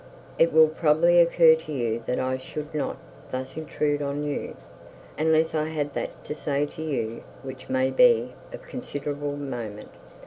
'It will probably occur to you that I should not thus intrude on you, unless I had that to say to you which may be of considerable moment.